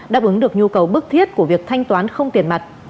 đáp ứng được nhu cầu bức thiết của việc thanh toán không tiền mặt